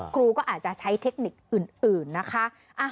ครูก็อาจจะใช้เทคนิคอื่นนะคะ